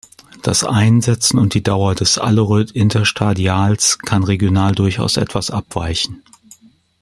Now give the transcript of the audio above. Das Einsetzen und die Dauer des Alleröd-Interstadials kann regional durchaus etwas abweichen.